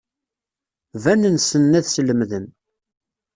Banen ssnen ad slemden.